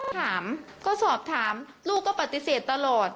ถามก็สอบถามลูกก็ปฏิเสธตลอด